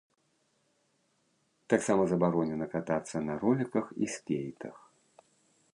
Таксама забаронена катацца на роліках і скейтах.